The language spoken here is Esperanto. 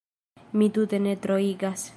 Mi tute ne troigas.